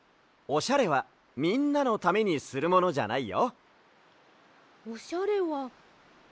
オシャレはみんなのためにするものじゃない？